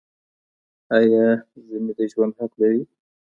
آیا ذمي د ژوند حق لري؟